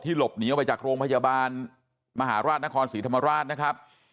หลบหนีออกไปจากโรงพยาบาลมหาราชนครศรีธรรมราชนะครับ